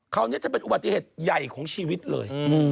คราวนี้จะเป็นอุบัติเหตุใหญ่ของชีวิตเลย